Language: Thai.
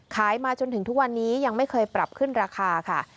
มาจนถึงทุกวันนี้ยังไม่เคยปรับขึ้นราคาค่ะ